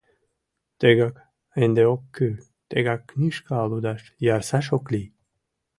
Тегак ынде ок кӱл, тегак книжка лудаш ярсаш ок лий.